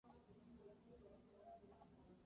Asistió a la Palisades High School.